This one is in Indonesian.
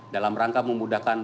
dalam rangka memudahkan